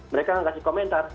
mereka akan kasih komentar